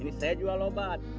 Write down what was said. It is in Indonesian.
ini saya jual obat